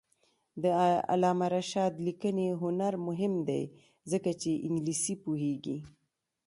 د علامه رشاد لیکنی هنر مهم دی ځکه چې انګلیسي پوهېږي.